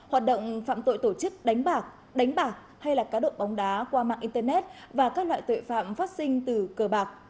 hoạt động phạm tội tổ chức đánh bạc hay là cá độ bóng đá qua mạng internet và các loại tội phạm phát sinh từ cờ bạc